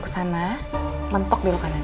ke sana mentok dulu kanan